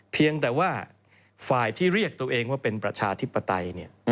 เพียงแต่ว่าฝ่ายที่เรียกตัวเองว่าเป็นประชาธิปไตย